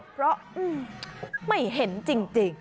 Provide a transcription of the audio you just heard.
เพราะไม่เห็นจริง